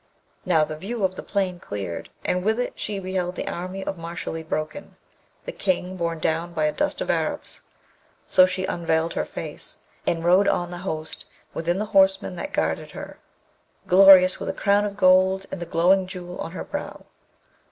Now, the view of the plain cleared, and with it she beheld the army of Mashalleed broken, the King borne down by a dust of Arabs; so she unveiled her face and rode on the host with the horsemen that guarded her, glorious with a crown of gold and the glowing Jewel on her brow.